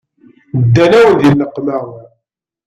Ddan-awen di nneqma.